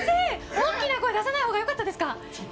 大きな声出さない方がよかったですか？